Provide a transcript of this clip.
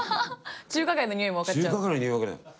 中華街のにおいも分かっちゃう。